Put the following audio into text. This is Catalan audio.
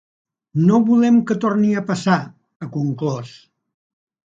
No volem que torni a passar, ha conclòs.